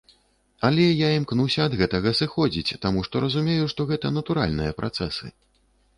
Але я імкнуся ад гэтага сыходзіць, таму што разумею, што гэта натуральныя працэсы.